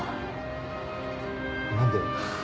何で？